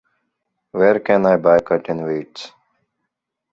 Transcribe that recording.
Where can I buy curtain weights?